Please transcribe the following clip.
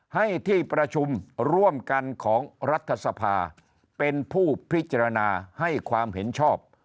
ให้ที่ประชุมร่วมกันของรัฐสภาเป็นผู้พิจารณาให้ความเห็นชอบ